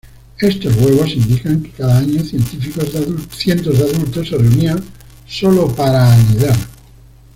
Estos huevos indican que cada año, cientos de adultos se reunían sólo para anidar.